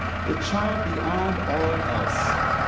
The child beyond all else.